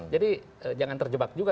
jadi jangan terjebak juga